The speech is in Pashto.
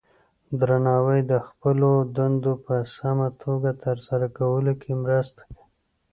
درناوی د خپلو دندو په سمه توګه ترسره کولو کې مرسته کوي.